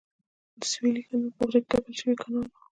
سویلي کانال په غره کې کښل شوی کانال و.